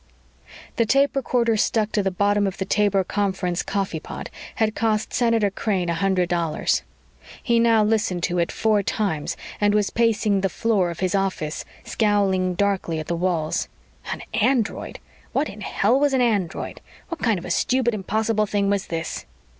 The tape recorder stuck to the bottom of the Taber conference coffeepot had cost Senator Crane a hundred dollars. He had now listened to it four times and was pacing the floor of his office, scowling darkly at the walls. An android! What in hell was an android? What kind of a stupid, impossible thing was this?